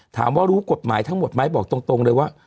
รู้กฎหมายทั้งหมดไหมบอกตรงเลยว่า